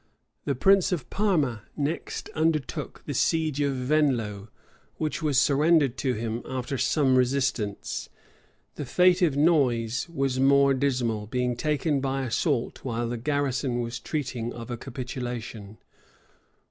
The prince of Parma next undertook the siege of Venlo, which was surrendered to him after some resistance. The fate of Nuys was more dismal; being taken by assault, while the garrison was treating of a capitulation.